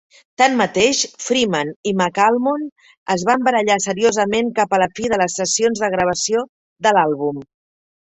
Tanmateix, Freeman i McAlmont es van barallar seriosament cap a la fi de les sessions de gravació de l'àlbum.